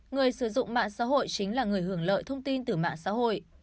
người sử dụng mạng xã hội chính là người hưởng lợi thông tin từ mạng xã hội